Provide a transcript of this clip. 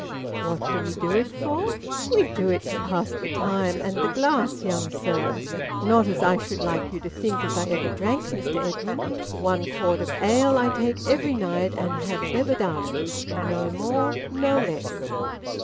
"What do we do it for? We do it to pass the time and the glass, young sir. Not as I should like you to think as I ever drank, Mr Edwin. One quart of ale I take every night, and have ever done; no more, no less."